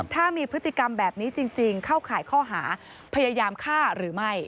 ถ้ามีพฤติกรรมแบบนี้จริงเข้าข่ายข้อหาพยายามฆ่าหรือไม่